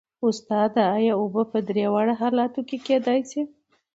استاده ایا اوبه په درې واړو حالتونو کې کیدای شي